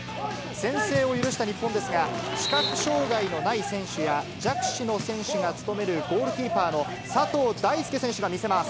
先制を許した日本ですが、視覚障がいのない選手や、弱視の選手が務めるゴールキーパーの佐藤大介選手が見せます。